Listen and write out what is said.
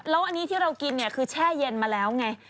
แล้วอันนี้ที่เรากินเนี่ยคือแช่เย็นมาแล้วไง